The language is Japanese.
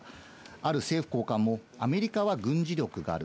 ある政府高官もアメリカは軍事力がある。